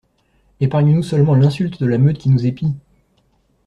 Epargne-nous seulement l'insulte de la meute qui nous épie!